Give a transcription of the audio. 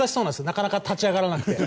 なかなか立ち上がらなくて。